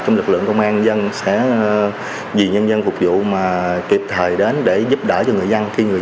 trong lực lượng công an dân sẽ vì nhân dân phục vụ mà kịp thời đến để giúp đỡ cho người dân khi người